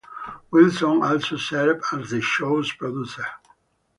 Wilson also served as the show's producer.